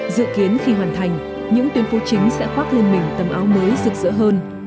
dự kiến khi hoàn thành những tuyến phố chính sẽ khoác lên mình tầm áo mới rực rỡ hơn